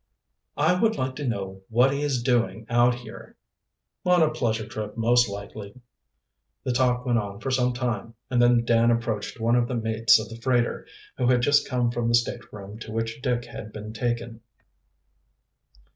"I would like to know what he is doing out here." "On a pleasure trip, most likely." The talk went on for some time, and then Dan approached one of the mates of the freighter, who had just come from the stateroom to which Dick had been taken.